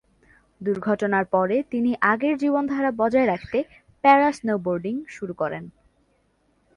দুর্ঘটনার পরে তিনি আগের জীবনধারা বজায় রাখতে প্যারা-স্নোবোর্ডিং শুরু করেন।